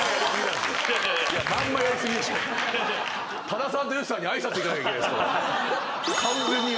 多田さんと善しさんに挨拶いかなきゃいけないです。